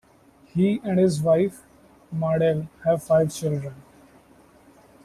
He and his wife Mardele have five children.